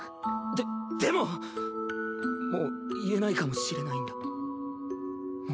ででももう言えないかもしれないんだもう。